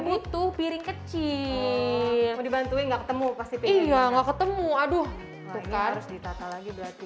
butuh piring kecil mau dibantuin nggak ketemu pasti iya nggak ketemu aduh harus ditata lagi berarti